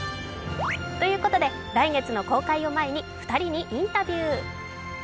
ということで来月の公開を前に２人にインタビュー。